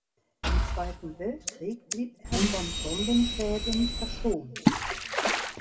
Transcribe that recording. Im Zweiten Weltkrieg blieb er von Bombenschäden verschont.